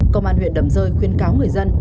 công an huyện đầm rơi khuyên cáo người dân